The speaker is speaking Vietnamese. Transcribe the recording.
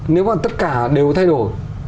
nếu mà tất cả đều thay đổi